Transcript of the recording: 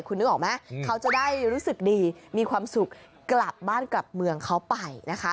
คุณนึกออกไหมเขาจะได้รู้สึกดีมีความสุขกลับบ้านกลับเมืองเขาไปนะคะ